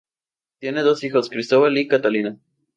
Tiene dos hijos, Cristóbal y Catalina.